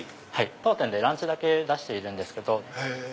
当店ランチだけ出しているんですけど。